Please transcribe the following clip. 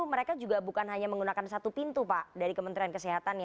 mereka juga bukan hanya menggunakan satu pintu pak dari kementerian kesehatan